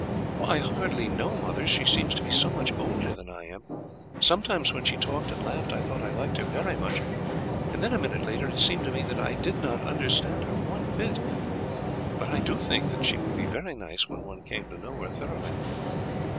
"I hardly know, mother; she seemed to be so much older than I am. Sometimes when she talked and laughed, I thought I liked her very much, and then a minute later it seemed to me that I did not understand her one bit. But I do think that she would be very nice when one came to know her thoroughly."